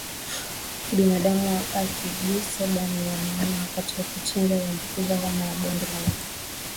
Binadamu akigusa damu ya mnyama wakati wa kuchinja huambukizwa homa ya bonde la ufa